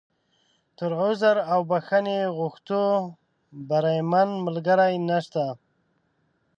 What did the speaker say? تر عذر او بښنې غوښتو، بریمن ملګری نشته.